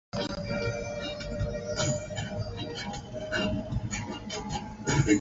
Angola Ecuador Indonesia Iran Iraq Kuwait Libya